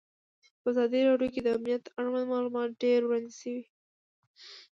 په ازادي راډیو کې د امنیت اړوند معلومات ډېر وړاندې شوي.